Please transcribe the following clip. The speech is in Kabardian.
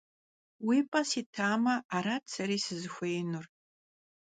Vui p'em sitame, arat seri sızıxuêinur.